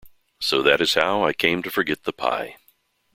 So that is how I came to forget the pie.